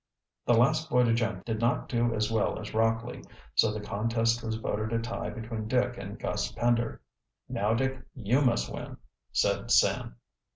The last boy to jump did not do as well as Rockley, so the contest was voted a tie between Dick and Gus Pender. "Now, Dick, you must win," said Sam.